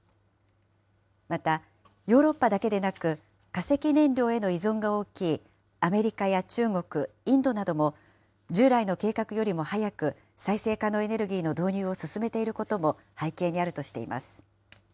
また、ヨーロッパだけでなく、化石燃料への依存が大きいアメリカや中国、インドなども、従来の計画よりも早く、再生可能エネルギーの導入を進めていることも背景にあるとしています。